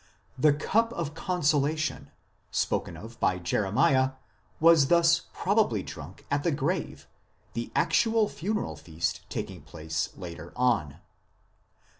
* The "cup of consolation" spoken of by Jeremiah was thus probably drunk at the grave, the actual funeral feast taking place later on.